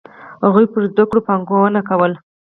هغوی پر زده کړو پانګونه کوله.